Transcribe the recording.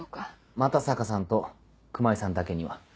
又坂さんと熊井さんだけには。